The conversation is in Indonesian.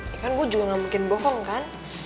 ya kan gue juga gak mungkin bohong kan